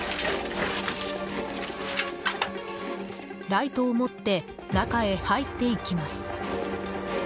ライトを持って中へ入っていきます。